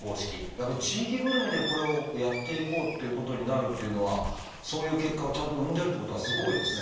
やっぱり地域ぐるみでこれをやっていこうっていうことになるっていうのはそういう結果をちゃんと生んでるっていうことはすごいですね。